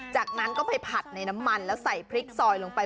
จากนั้นก็ไปผัดในน้ำมันแล้วใส่พริกซอยลงไป